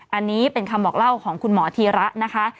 อันนี้เป็นคำบอกเล่าของคุณหมอธีระนะคะ